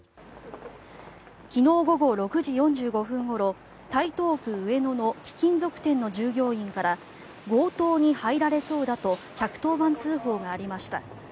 昨日午後６時４５分ごろ台東区上野の貴金属店の従業員から強盗に入られそうだと１１０番通報がありました。